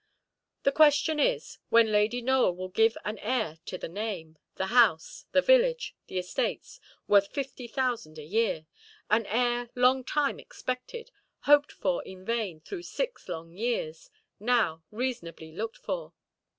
The question is, when Lady Nowell will give an heir to the name, the house, the village, the estates, worth fifty thousand a year—an heir long time expected, hoped for in vain through six long years, now reasonably looked for.